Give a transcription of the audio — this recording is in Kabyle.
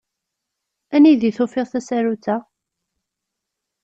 Anida i tufiḍ tasarut-a?